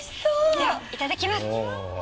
ではいただきます！